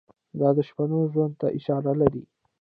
دا د شپنو ژوند ته اشاره لري.